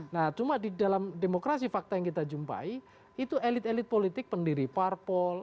nah cuma di dalam demokrasi fakta yang kita jumpai itu elit elit politik pendiri parpol